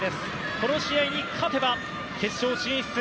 この試合に勝てば決勝進出。